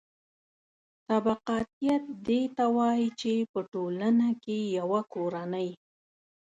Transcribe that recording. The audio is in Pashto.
طبقاتیت دې ته وايي چې په ټولنه کې یوه کورنۍ